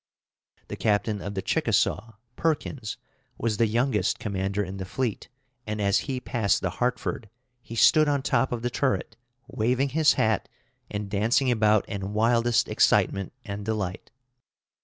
The captain of the Chickasaw, Perkins, was the youngest commander in the fleet, and as he passed the Hartford, he stood on top of the turret, waving his hat and dancing about in wildest excitement and delight.